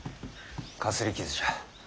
かすり傷じゃ。